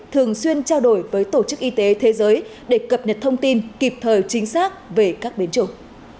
thường xuyên trao đổi với tổ chức y tế thế giới để cập nhật thông tin kịp thời chính xác về các biến chủng